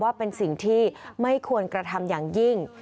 ว่าเป็นสิ่งที่ไม่ควรกระทำอย่างยิ่ง